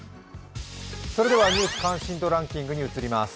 ニュース関心度ランキングに移ります。